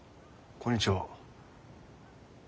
こんにちは。